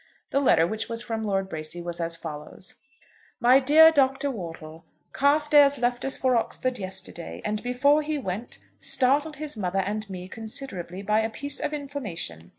The letter, which was from Lord Bracy, was as follows; "MY DEAR DOCTOR WORTLE. Carstairs left us for Oxford yesterday, and before he went, startled his mother and me considerably by a piece of information.